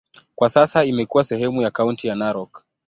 Kwa sasa imekuwa sehemu ya kaunti ya Narok.